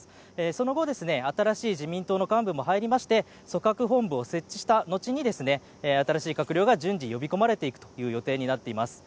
その後、新しい自民党の幹部も入りまして組閣本部を設置した後に新しい閣僚が順次、呼び込まれていく予定となっています。